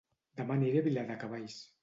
Dema aniré a Viladecavalls